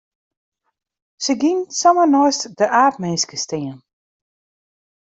Se gyng samar neist de aapminske stean.